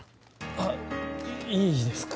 あっいいですか？